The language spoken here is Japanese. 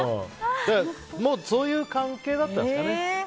そういう関係だったんですかね。